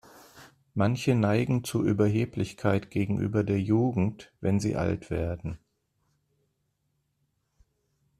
Manche neigen zu Überheblichkeit gegenüber der Jugend, wenn sie alt werden.